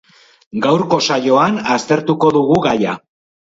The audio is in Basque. Gaurko saioan aztertuko dugu gaia.